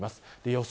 予想